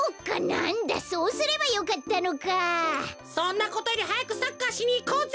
そんなことよりはやくサッカーしにいこうぜ！